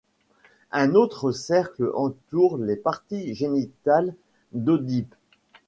Un autre cercle entoure les parties génitales d'Œdipe.